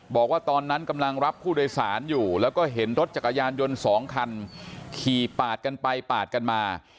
บอกว่าตอนนั้นกำลังรับผู้โดยสารอยู่แล้วก็เห็นรถจักรยานยนต์สองคันขี่ปาดกันไปปาดกันมา